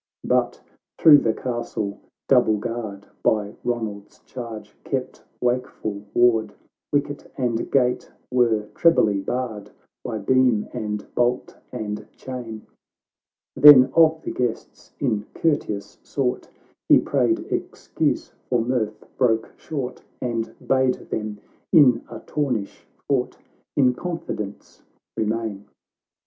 But through the castle double guard, By Ronald's charge, kept wakeful ward, "Wicket and gate were trebly barred, By beam and bolt and chain ; Then of the guests, in courteous sort, Ho prayed excuse for mirth broke short, And bade them in Artornish fort In confidence remain.